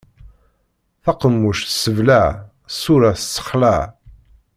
Taqemmuct tesseblaɛ, ṣṣuṛa tessexlaɛ.